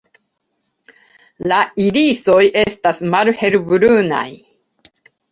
La irisoj estas malhelbrunaj.